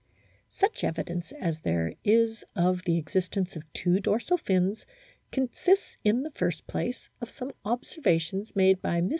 Such evidence as there is of the existence of two dorsal fins consists in the first place of some observa tions made by MM.